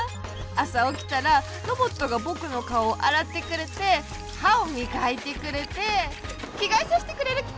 あさおきたらロボットがぼくのかおをあらってくれてはをみがいてくれてきがえさせてくれる！